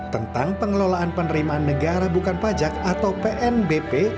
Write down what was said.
tentang pengelolaan penerimaan negara bukan pajak atau pnbp